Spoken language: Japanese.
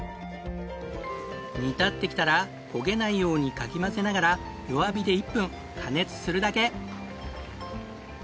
煮立ってきたら焦げないようにかき混ぜながら弱火で１分加熱するだけ。